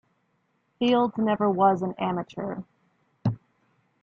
Fields never was an amateur.